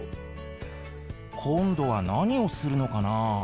今度は何をするのかなあ。